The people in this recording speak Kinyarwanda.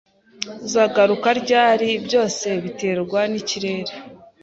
"Uzagaruka ryari?" "Byose biterwa n'ikirere."